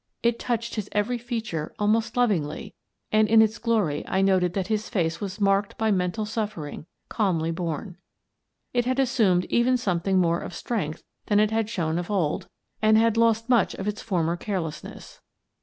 It touched his every feature almost lovingly, and, in its glory, I noted that his face was marked by mental suffering calmly borne. It had assumed even something more of strength than it had shown of old, and had *44 "I Seem to Be Doomed" 245 lost much of its former carelessness.